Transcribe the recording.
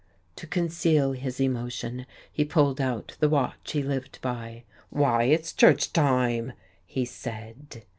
To conceal his emotion, he pulled out the watch he lived by. "Why, it's church time!" he said....